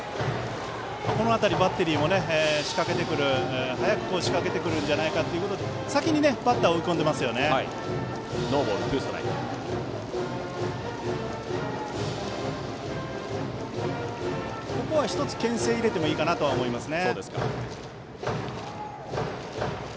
この辺り、バッテリーも早く仕掛けてくるんじゃないかなということで先にバッターを追い込んでいます。